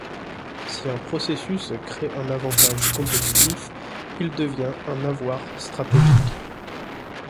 Si un processus crée un avantage compétitif, il devient un avoir stratégique.